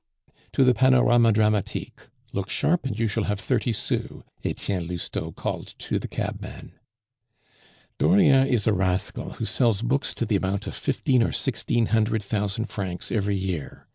"To the Panorama Dramatique; look sharp, and you shall have thirty sous," Etienne Lousteau called to the cabman. "Dauriat is a rascal who sells books to the amount of fifteen or sixteen hundred thousand francs every year.